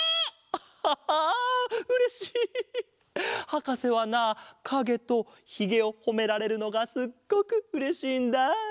はかせはなかげとひげをほめられるのがすっごくうれしいんだ。